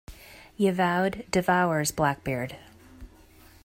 Yevaud devours Blackbeard.